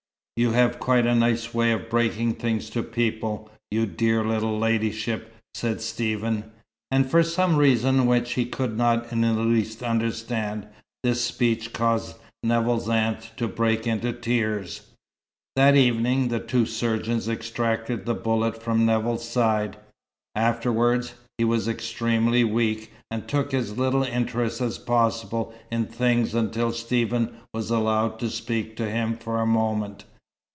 "You have quite a nice way of breaking things to people, you dear little ladyship," said Stephen. And for some reason which he could not in the least understand, this speech caused Nevill's aunt to break into tears. That evening, the two surgeons extracted the bullet from Nevill's side. Afterwards, he was extremely weak, and took as little interest as possible in things, until Stephen was allowed to speak to him for a moment.